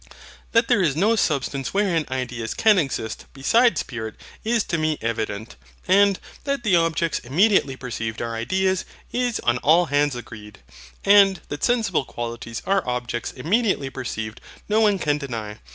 That there is no substance wherein ideas can exist beside spirit is to me evident. And that the objects immediately perceived are ideas, is on all hands agreed. And that sensible qualities are objects immediately perceived no one can deny.